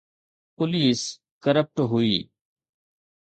Police corrupt هئي.